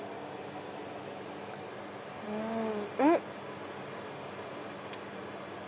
うんうん